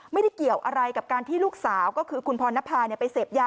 ไม่ได้เกี่ยวอะไรกับการที่ลูกสาวก็คือคุณพรณภาไปเสพยา